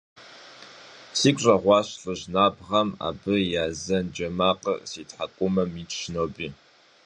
Сигу щӀэгъуащ лӀыжь набгъэм, абы и азэн джэ макъыр си тхьэкӀумэм итщ ноби…